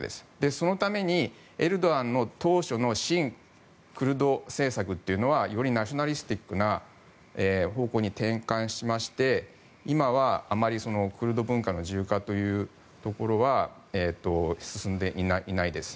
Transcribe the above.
そのためにエルドアンの当初の親クルド政策というのはよりナショナリスティックな方向に転換しまして今はあまりクルド文化の自由化というところは進んでいないです。